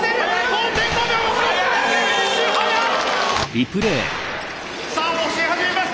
５．５秒のフィニッシュ速い！